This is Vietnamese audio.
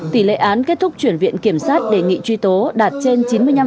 tỷ lệ án kết thúc chuyển viện kiểm sát đề nghị truy tố đạt trên chín mươi năm